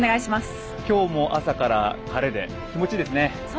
今日も朝から晴れで気持ちがいいですね。